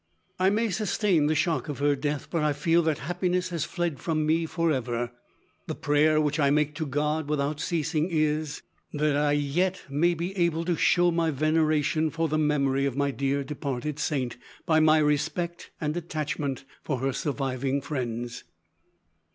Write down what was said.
"I may sustain the shock of her death, but I feel that happiness has fled from me forever. The prayer which I make to God without ceasing is, that I yet may be able to show my veneration for the memory of my dear, departed saint, by my respect and attachment for her surviving friends.